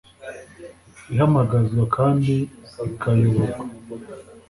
Ihamagazwa kandi ikayoborwa